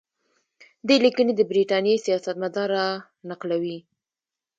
دې لیکنې د برټانیې سیاستمدار را نقلوي.